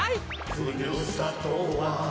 「ふるさとは」